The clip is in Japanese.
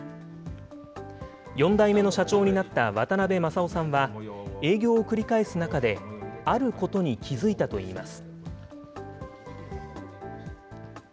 ４代目の社長になった渡辺政雄さんは営業を繰り返す中で、あることに気付いたといいます。